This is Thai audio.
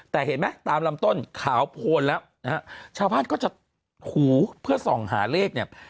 แต่เห็นไหมตามลำต้นขาวโพนแล้วนะฮะชาวบ้านก็จะถูเพื่อส่องหาเลขเนี่ย